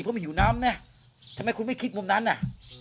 ผมหิวน้ำน่ะทำไมคุณไม่คิดมุมนั้นอ่ะ